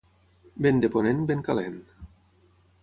Vent de ponent, vent calent.